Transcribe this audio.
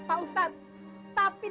tapi dia menurut penyakit buat tamu kita